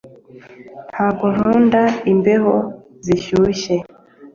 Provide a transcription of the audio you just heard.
ntabwo nkunda imbeho zishyushye